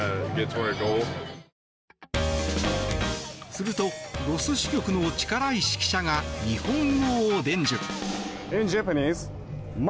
すると、ロス支局の力石記者が日本語を伝授。